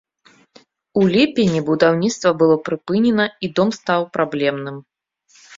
У ліпені будаўніцтва было прыпынена, і дом стаў праблемным.